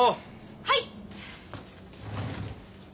はい！